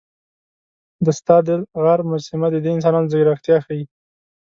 د ستادل غار مجسمه د دې انسانانو ځیرکتیا ښيي.